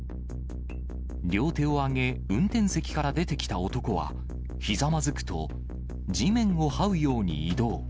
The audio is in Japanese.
両手を挙げ、運転席から出てきた男は、ひざまずくと、地面をはうように移動。